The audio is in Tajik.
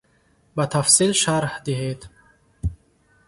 Ба тафсил шарҳ диҳед.